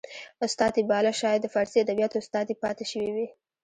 استاد یې باله شاید د فارسي ادبیاتو استاد یې پاته شوی و